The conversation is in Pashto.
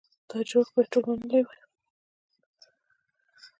دا جوړښت باید ټول منلی وي.